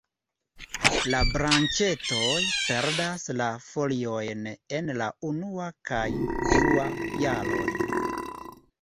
La branĉetoj perdas la foliojn en la unua kaj dua jaroj.